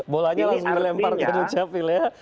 bolanya langsung dilempar ke duk capil ya